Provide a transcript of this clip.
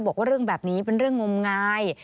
บอกว่าเรื่องแบบนี้เป็นเรื่องงมงาย